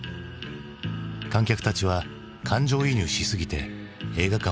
観客たちは感情移入しすぎて映画館を出る時